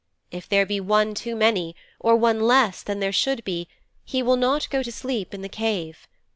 If there be one too many, or one less than there should be, he will not go to sleep in the cave.